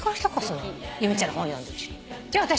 じゃあ私。